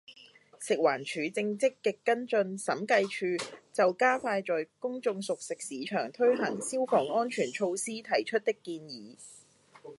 食環署正積極跟進審計署就加快在公眾熟食市場推行消防安全措施提出的建議